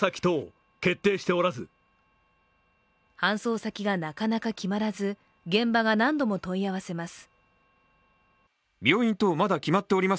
搬送先がなかなか決まらず現場が何度も問い合わせます。